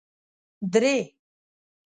درې